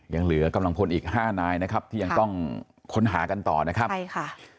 ยังเหลือกำลังพลอีกห้านายนะครับที่ยังต้องค้นหากันต่อนะครับใช่ค่ะ